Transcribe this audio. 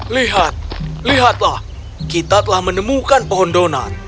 lihat lihatlah kita telah menemukan pohon donat